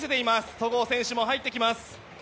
戸郷選手も入ってきます。